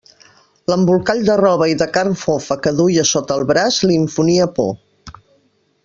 L'embolcall de roba i de carn fofa que duia sota el braç li infonia por.